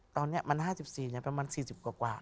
ตอนนี้มัน๕๔ประมาณ๔๐กว่า